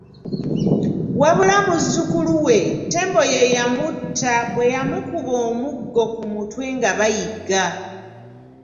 Wabula muzzukulu we, Ttembo ye yamutta bwe yamukuba omuggo ku mutwe nga bayigga.